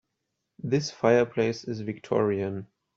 This fireplace is victorian.